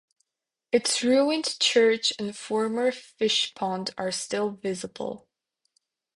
Its ruined church and former fishpond are still visible.